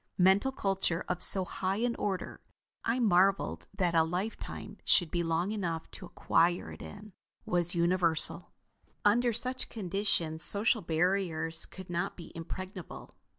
Mental culture of so high an order I marveled that a lifetime should be long enough to acquire it in was universal. Under such conditions social barriers could not be impregnable.